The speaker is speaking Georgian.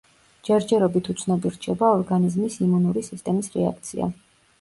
ჯერჯერობით უცნობი რჩება ორგანიზმის იმუნური სისტემის რეაქცია.